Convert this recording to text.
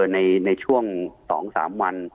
ในช่วง๒๓วัน